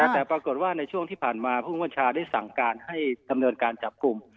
แต่ปรากฏว่าในช่วงที่ผ่านมาผู้บัญชาได้สั่งการให้ดำเนินการจับกลุ่ม